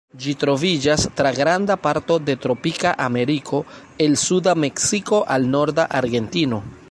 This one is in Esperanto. Ĝi troviĝas tra granda parto de tropika Ameriko, el suda Meksiko al norda Argentino.